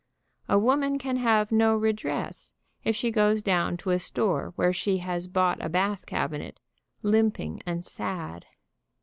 A woman can have no redress, if she goes down to a store where she has bought a bath cabinet, limping and sad.